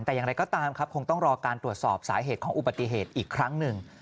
แต่อย่างไรก็ตามครับคงต้องรอการตรวจสอบสาเหตุของอุบัติเหตุอีกครั้งหนึ่ง